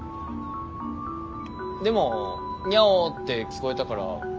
でもニャオって聞こえたから。